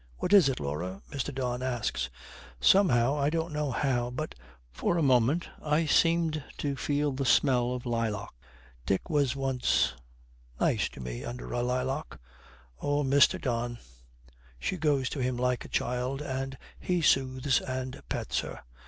'What is it, Laura?' Mr. Don asks. 'Somehow I don't know how but, for a moment I seemed to feel the smell of lilac. Dick was once nice to me under a lilac. Oh, Mr. Don ' She goes to him like a child, and he soothes and pets her.